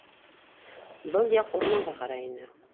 Был яҡ урманға ҡарай ине.